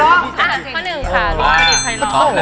ลุยมั่นใจหนึ่งค่ะหลวงประดิษฐ์ไพร็อล